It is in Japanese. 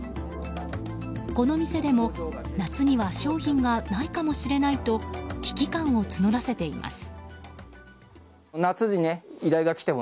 この店でも、夏には商品がないかもしれないと危機感を募らせています。